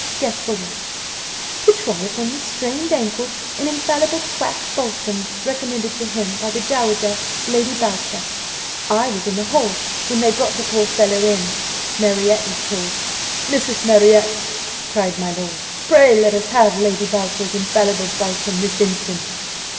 Guess for what: to try upon the strained ankle an infallible quack balsam recommended to him by the Dowager Lady Boucher. I was in the hall when they brought the poor fellow in: Marriott was called. 'Mrs. Marriott,' cried my lord, 'pray let us have Lady Boucher's infallible balsam this instant!